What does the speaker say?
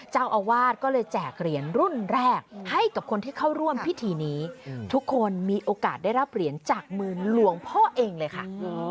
เจ้าอาวาสก็เลยแจกเหรียญรุ่นแรกให้กับคนที่เข้าร่วมพิธีนี้ทุกคนมีโอกาสได้รับเหรียญจากมือหลวงพ่อเองเลยค่ะ